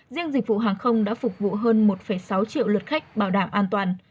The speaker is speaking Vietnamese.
riêng dịch vụ hàng không đã phục vụ hơn một sáu triệu lượt khách bảo đảm an toàn